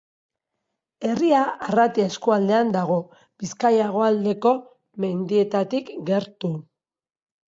Herria Arratia eskualdean dago, Bizkaia hegoaldeko mendietatik gertu.